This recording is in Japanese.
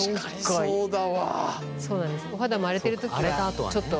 そうなんです。